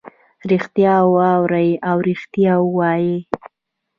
ریښتیا واوري او ریښتیا ووایي.